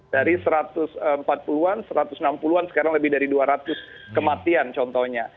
dari satu ratus empat puluh an satu ratus enam puluh an sekarang lebih dari dua ratus kematian contohnya